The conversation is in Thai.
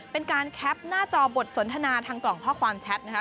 เป็นการแคปหน้าจอบทสนทนาทางกล่องข้อความแชทนะคะ